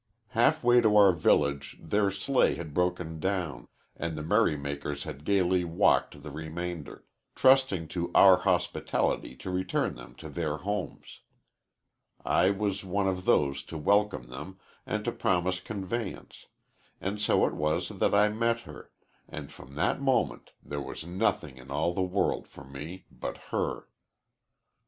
Half way to our village their sleigh had broken down, and the merry makers had gayly walked the remainder, trusting to our hospitality to return them to their homes. I was one of those to welcome them and to promise conveyance, and so it was that I met her, and from that moment there was nothing in all the world for me but her."